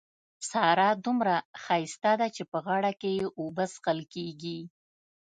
سارا دومره ښايسته ده چې په غاړه کې يې اوبه څښل کېږي.